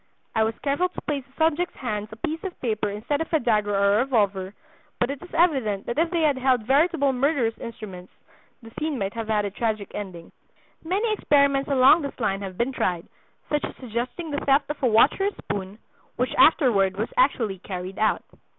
I was careful to place in the subject's hands a piece of paper instead of a dagger or a revolver; but it is evident, that if they had held veritable murderous instruments, the scene might have had a tragic ending." Many experiments along this line have been tried, such as suggesting the theft of a watch or a spoon, which afterward was actually carried out.